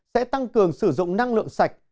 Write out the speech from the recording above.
sẽ tăng cường sử dụng năng lượng sạch